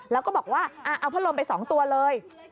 แล้วก็บอกว่าเอาพัดลมไป๒ตัวเลย